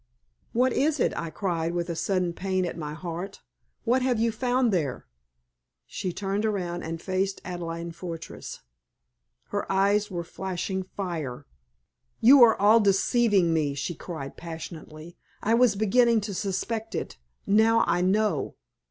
"What is it?" I cried, with a sudden pain at my heart. "What have you found there?" She turned around and faced Adelaide Fortress. Her eyes were flashing fire. "You are all deceiving me," she cried, passionately. "I was beginning to suspect it. Now I know."